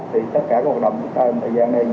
thì tất cả các hoạt động trong thời gian này